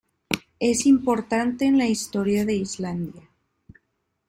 Es importante en la historia de Islandia.